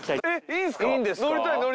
いいんですか？